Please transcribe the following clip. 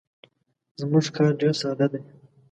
زموږ کار ډیر ساده دی.